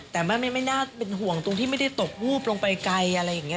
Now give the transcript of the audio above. แต่ไม่น่าเป็นห่วงตรงที่ไม่ได้ตกวูบลงไปไกลอะไรอย่างนี้